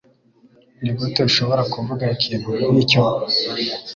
Nigute ushobora kuvuga ikintu nkicyo?